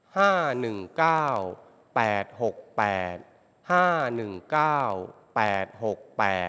ห้าหนึ่งเก้าแปดหกแปดห้าหนึ่งเก้าแปดหกแปด